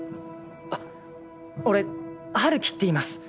あっ俺ハルキっていいます。